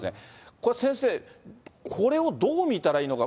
これ、先生、これをどう見たらいいのか。